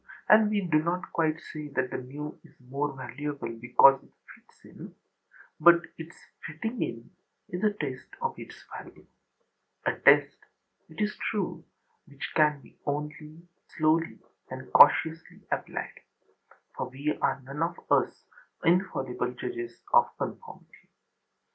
And we do not quite say that the new is more valuable because it fits in; but its fitting in is a test of its valueâa test, it is true, which can only be slowly and cautiously applied, for we are none of us infallible judges of conformity.